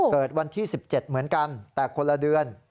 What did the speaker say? เกิดวันที่๑๗เหมือนกันแต่คนละเดือน